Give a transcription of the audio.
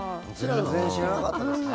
全然知らなかったですね。